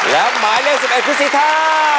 และหมายเลข๑๑คุณสีทา